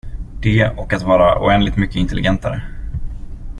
Det och att vara oändligt mycket intelligentare.